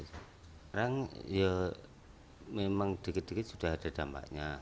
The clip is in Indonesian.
sekarang ya memang dikit dikit sudah ada dampaknya